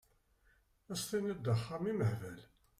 Ad s-tiniḍ d axxam imehbal!